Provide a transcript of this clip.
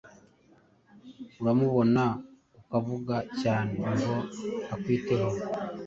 Uramubona ukavuga cyane ngo akwiteho